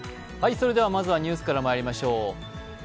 まずはニュースからまいりましょう。